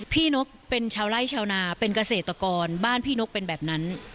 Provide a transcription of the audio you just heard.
นกเป็นชาวไล่ชาวนาเป็นเกษตรกรบ้านพี่นกเป็นแบบนั้น